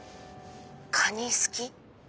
カニ好き？